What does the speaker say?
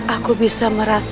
aku akan mencari